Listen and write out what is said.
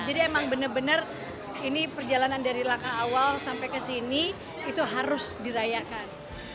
jadi emang benar benar ini perjalanan dari laka awal sampai ke sini itu harus dirayakan